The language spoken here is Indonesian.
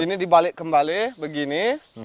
ini dibalik kembali begini